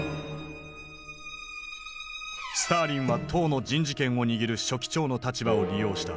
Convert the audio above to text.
スターリンは党の人事権を握る書記長の立場を利用した。